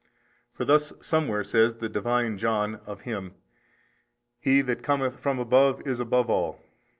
For thus somewhere says the Divine John of Him, He that cometh from above is above all.